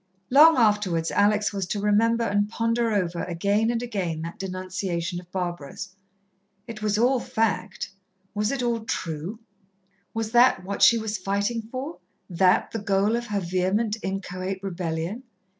Long afterwards Alex was to remember and ponder over again and again that denunciation of Barbara's. It was all fact was it all true? Was that what she was fighting for that the goal of her vehement, inchoate rebellion?